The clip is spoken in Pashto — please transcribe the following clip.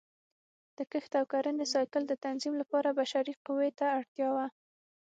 د کښت او کرنې سایکل د تنظیم لپاره بشري قوې ته اړتیا وه